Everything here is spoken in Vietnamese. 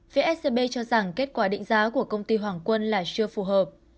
phía scb cho rằng kết quả định giá của công ty hoàng quân là chưa phù hợp